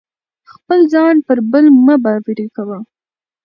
خپل ځان پر بل مه باروئ.